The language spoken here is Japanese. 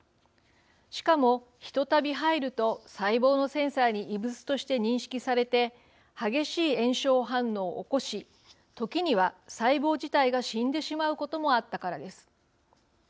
しかも、ひとたび入ると細胞のセンサーに異物として認識されて激しい炎症反応を起こし時には、細胞自体が死んでしまうこともあったからです。